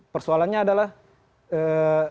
persoalannya adalah eee